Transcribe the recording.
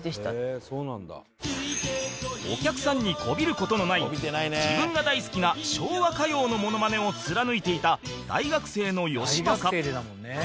お客さんにこびる事のない自分が大好きな昭和歌謡のモノマネを貫いていた大学生のよしまさ